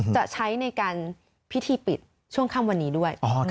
จะใช้ในการพิธีปิดช่วงค่ำวันนี้ด้วย